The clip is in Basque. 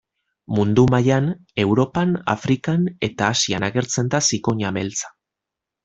Mundu mailan, Europan, Afrikan eta Asian agertzen da zikoina beltza.